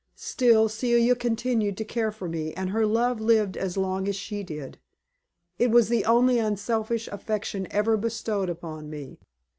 Still, Celia continued to care for me, and her love lived as long as she did. It was the only unselfish affection ever bestowed upon me.